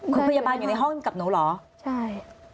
คุณพยาบาลอยู่ในห้องกับหนูเหรอใช่